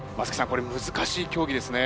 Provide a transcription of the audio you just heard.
これ難しい競技ですね。